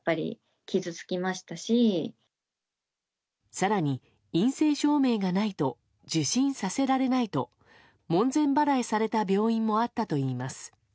更に、陰性証明がないと受診させられないと門前払いされた病院もあったといいます。